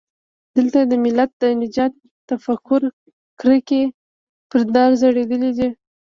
دلته د ملت د نجات تفکر ککرۍ پر دار ځړېدلي دي.